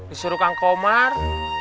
disuruh kang komar